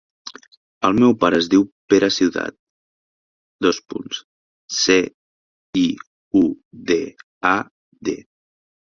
El meu pare es diu Pere Ciudad: ce, i, u, de, a, de.